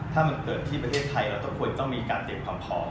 ถ้ามันเกิดที่ประเทศไทยเราต้องควรต้องมีการเตรียมความพร้อม